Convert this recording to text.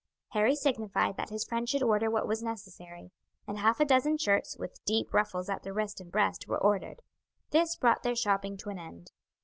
Harry signified that his friend should order what was necessary; and half a dozen shirts, with deep ruffles at the wrist and breast, were ordered. This brought their shopping to an end.